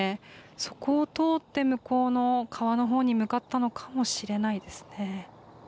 そこを通って向こうの川の方に向かったのかもしれないですね。